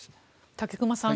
武隈さん